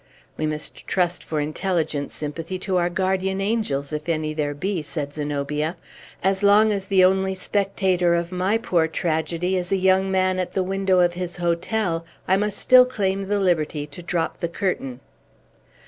"We must trust for intelligent sympathy to our guardian angels, if any there be," said Zenobia. "As long as the only spectator of my poor tragedy is a young man at the window of his hotel, I must still claim the liberty to drop the curtain."